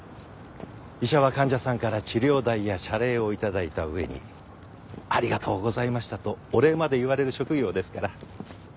医者は患者さんから治療代や謝礼を頂いた上に「ありがとうございました」とお礼まで言われる職業ですから。